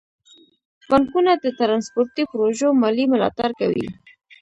بانکونه د ترانسپورتي پروژو مالي ملاتړ کوي.